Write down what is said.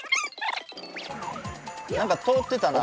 なんか通ってたな。